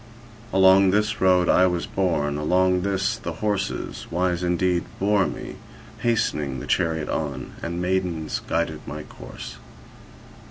Along this road I was borne, along this the horses, wise indeed, bore me hastening the chariot on, and maidens guided my course.